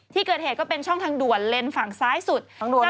ที่เกิดเหตุก็เป็นช่องทางด่วนเลนส์ฝั่งซ้ายสุด